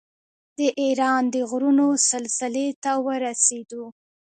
د ایران د غرونو سلسلې ته ورسېدو.